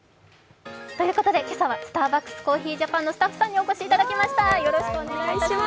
今朝はスターバックスジャパンのスタッフさんにお越しいただきました。